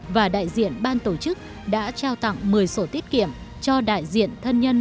và đại diện ban tổ chức đã trao tặng một mươi sổ tiết kiệm cho đại diện thân nhân